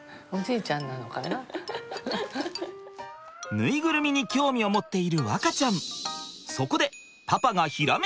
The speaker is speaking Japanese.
ぬいぐるみに興味を持っている和花ちゃん。